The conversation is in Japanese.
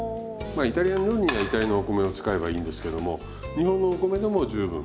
まあイタリアの料理にはイタリアのお米を使えばいいんですけども日本のお米でも十分。